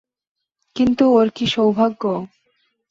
কিন্তু, ওর কী সৌভাগ্য!